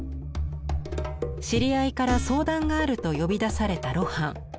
知り合いから相談があると呼び出された露伴。